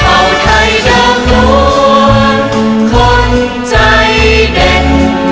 เผ่าไทยเดิมลวงคนใจเด็ด